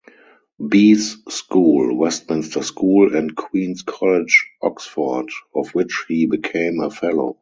Bees School, Westminster School and Queen's College, Oxford, of which he became a fellow.